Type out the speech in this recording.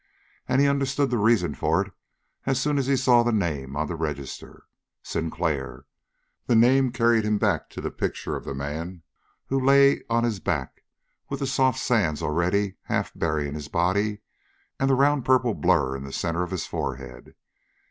And he understood the reason for it as soon as he saw the name on the register. Sinclair! The name carried him back to the picture of the man who lay on his back, with the soft sands already half burying his body, and the round, purple blur in the center of his forehead.